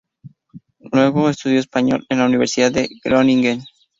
Luego estudió español en la Universidad de Groningen.